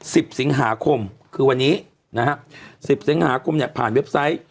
สิบสิงหาคมคือวันนี้นะฮะสิบสิงหาคมเนี่ยผ่านเว็บไซต์